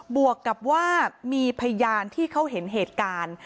วกกับว่ามีพยานที่เขาเห็นเหตุการณ์